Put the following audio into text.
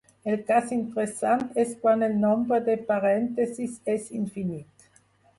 El cas interessant és quan el nombre de parèntesis és infinit.